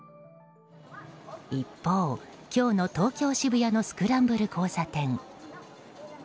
一方、今日の東京・渋谷のスクランブル交差点。